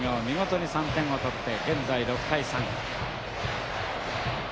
見事に３点を取って現在６対３。